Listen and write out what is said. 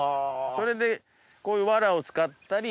それでこういう藁を使ったり。